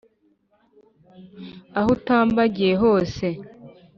Aho utambagiye hose